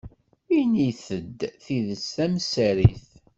Init-d tidet tamsarit.